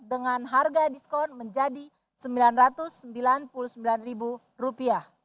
dengan harga diskon menjadi rp sembilan ratus sembilan puluh sembilan